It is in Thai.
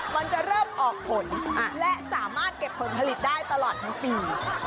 มันจะเริ่มออกผลและสามารถเก็บผลผลิตได้ตลอดทั้งปี